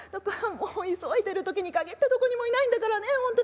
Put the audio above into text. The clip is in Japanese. もう急いでる時に限ってどこにもいないんだからね本当。